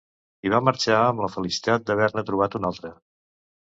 I va marxar amb la felicitat d'haver-ne trobat un altre.